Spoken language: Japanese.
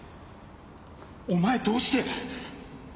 お前どうして。